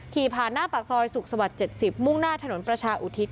ขี่ผ่านหน้าปากซอยสุขสวรรค์๗๐มุ่งหน้าถนนประชาอุทิศ